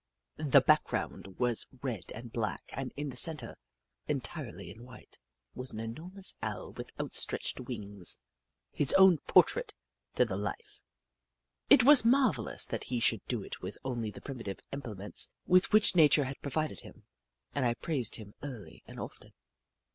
The background was red and black and in the centre, entirely in white, was an enormous Owl with outstretched wings — his own portrait to the life ! It was marvellous that he should do it with only the primitive implements with which Nature had provided him, and I praised him early and often.